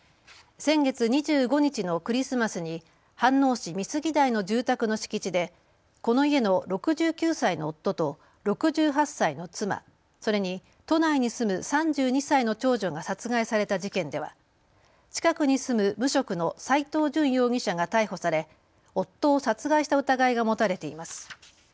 先月２５日のクリスマスに飯能市美杉台の住宅の敷地でこの家の６９歳の夫と６８歳の妻それに都内に住む３２歳の長女が殺害された事件では近くに住む無職の斎藤淳容疑者が逮捕され夫を殺害した疑いが持たれています。